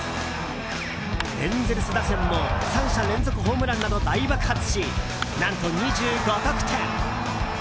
エンゼルス打線も３者連続ホームランなど大爆発し何と、２５得点。